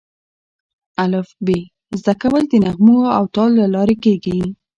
الفبې زده کول د نغمو او تال له لارې کېږي.